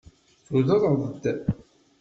Tudreḍ-d.